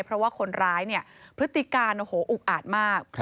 เพราะว่าคนร้ายเนี่ยพฤติการโอ้โหอุกอาดมาก